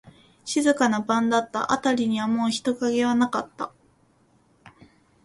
静かな晩だった。あたりにはもう人影はなかった。